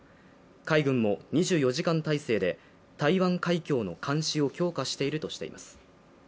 海軍も２４時間体制で台湾海峡の監視を強化しているとしています。